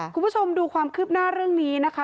คุณผู้ชมดูความคืบหน้าเรื่องนี้นะคะ